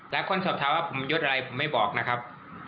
คนสอบถามว่าผมยดอะไรผมไม่บอกนะครับ